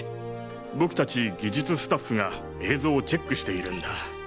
僕達技術スタッフが映像をチェックしているんだ。